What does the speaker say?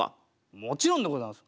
もちろんでございます。